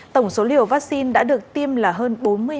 tổng số liều vaccine đã được tiêm là hơn bốn mươi hai